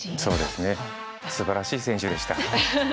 すばらしい選手でした。